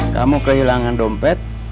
kamu kehilangan dompet